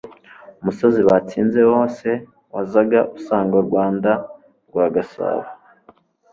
umusozi batsinze wose wazaga usanga Rwanda rwa Gasabo